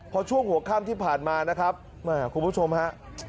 พอช่วงหัวค่ำที่ผ่านมานะครับคุณผู้ชมฮะ